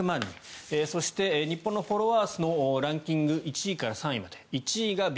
そして、日本のフォロワー数のランキング１位から３位まで。